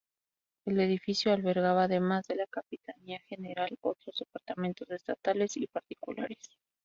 El edificio albergaba además de la Capitanía General, otros departamentos estatales y particulares.